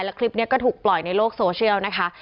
แล้วคลิปนี้ก็ถูกปล่อยในโลกโซเชียลนะคะ